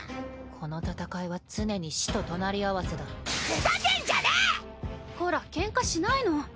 この戦いは常に死と隣り合わせだふざけんじゃねこらケンカしないの。